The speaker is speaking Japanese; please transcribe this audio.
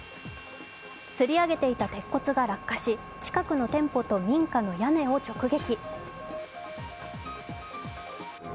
つり上げていた鉄骨が落下し、近くの店舗と民家の屋根を直撃。